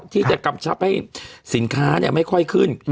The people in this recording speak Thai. ที่จะกำชับให้สินค้าไม่ค่อยขึ้น